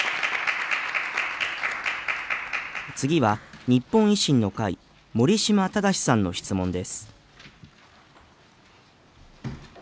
次は、日本維新の会、守島正さんの質問です。